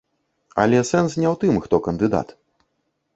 Але сэнс не ў тым, хто кандыдат.